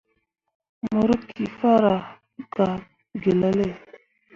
Mo rǝkki farah gah gelale.